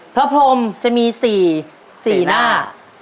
พระพรมจะมี๔สีหน้า